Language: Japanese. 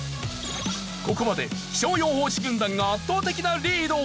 ここまで気象予報士軍団が圧倒的なリード。